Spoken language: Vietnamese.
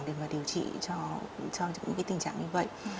để điều trị cho những tình trạng như vậy